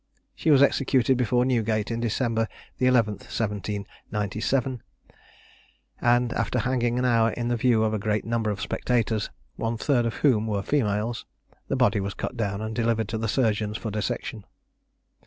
She was executed before Newgate, December the 11th, 1797; and after hanging an hour in the view of a great number of spectators, one third of whom were females, the body was cut down, and delivered to the surgeons for dissection.